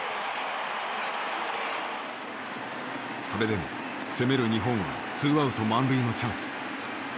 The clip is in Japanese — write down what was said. それでも攻める日本はツーアウト満塁のチャンス。